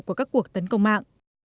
của các cuộc tấn công mạng